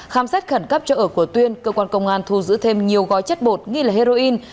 khám xét khẩn cấp cho ở của tuyên cơ quan công an thu giữ thêm nhiều gói chất bột nghi là heroin